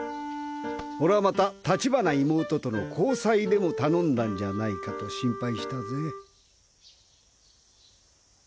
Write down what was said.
俺はまた立花妹との交際でも頼んだんじゃないかと心配したぜ。